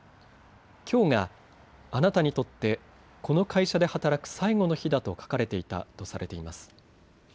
きょうがあなたにとってこの会社で働く最後の日だと書かれていたとされています。